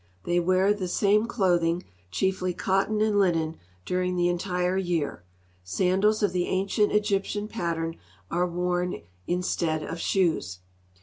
They wear the same clothing, chiefly cotton and linen, during the entire year ; sandals of the ancient Egyptian pattern.are worn instead of shoes.